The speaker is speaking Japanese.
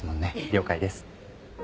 了解です。